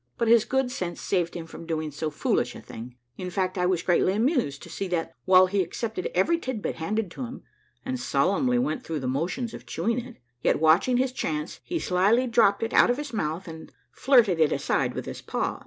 But his good sense saved him from doing so foolish a thing; in fact, I was greatly amused to see that, while he accepted every tidbit handed to him, and solemnly went through the motions of chewing it, yet watching his chance, he slyly dropped it out of his mouth and flirted it aside with his paw.